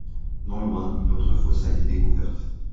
Non loin, une autre fosse a été découverte.